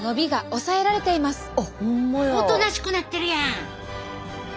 おとなしくなってるやん！